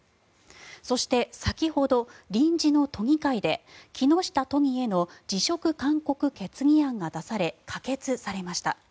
そして、先ほど臨時の都議会で木下都議への辞職勧告決議案が出され可決されました。